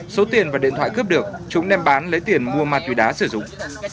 số tiền và điện thoại cướp được chúng đem bán lấy tiền mua ma túy đá sử dụng